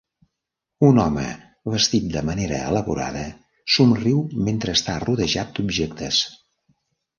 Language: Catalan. Un home, vestit de manera elaborada, somriu mentre està rodejat d'objectes.